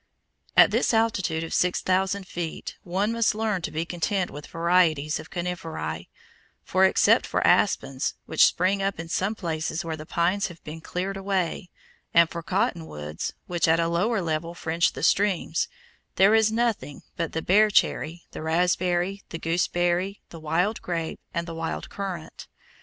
At this altitude of 6,000 feet one must learn to be content with varieties of Coniferae, for, except for aspens, which spring up in some places where the pines have been cleared away, and for cotton woods, which at a lower level fringe the streams, there is nothing but the bear cherry, the raspberry, the gooseberry, the wild grape, and the wild currant.